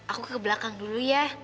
aku ke belakang dulu ya